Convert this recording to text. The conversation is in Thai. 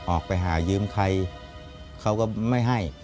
ออกไปหายืมใครเขาก็ไม่ให้